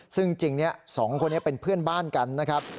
ซึ่งจริง๒คนนี้เป็นเพื่อนบ้านกันนะครับ